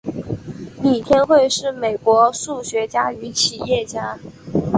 李天惠是美国数学家与企业家。